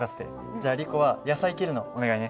じゃあリコは野菜を切るのお願いね。